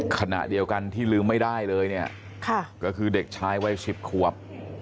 ขณะเดียวกันที่ลืมไม่ได้เลยเนี่ยก็คือเด็กชายวัย๑๐ขวบ